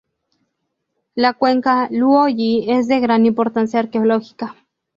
La cuenca Luo-Yi es de gran importancia arqueológica.